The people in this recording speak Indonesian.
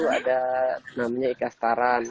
ada namanya ikastaran